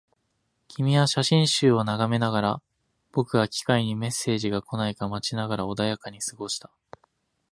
君は写真集を眺めながら、僕は機械にメッセージが来ないか待ちながら穏やかに過ごした